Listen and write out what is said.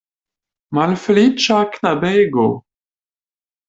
Malfeliĉa knabego!